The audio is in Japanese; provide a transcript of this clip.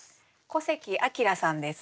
古関聰さんです。